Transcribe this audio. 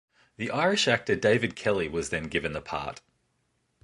The Irish actor David Kelly was then given the part.